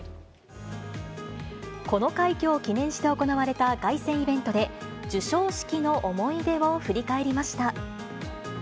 この快挙を記念して行われた凱旋イベントで、授賞式の思い出を振り返りました。